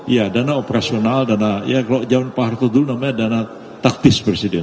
ya dana operasional dana ya kalau zaman pak harto dulu namanya dana taktis presiden